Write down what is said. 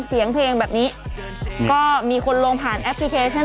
เสียงเพลงแบบนี้ก็มีคนลงผ่านแอปพลิเคชัน